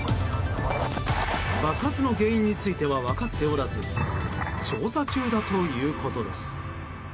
爆発の原因については分かっておらず調査中だということです。